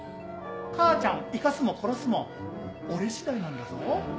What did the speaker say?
母ちゃん生かすも殺すも俺しだいなんだぞ？